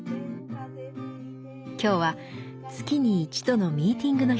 今日は月に一度のミーティングの日です。